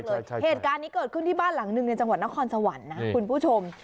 มันก็จะป่องมากเลยเหตุการณ์นี้เกิดขึ้นที่บ้านหลังหนึ่งในจังหวัดนครสวรรค์นะคุณผู้ชม